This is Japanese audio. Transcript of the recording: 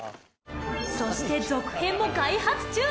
そして、続編も開発中！